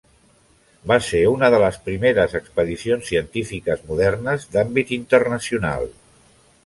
Va ser una de les primeres expedicions científiques modernes d'àmbit internacional.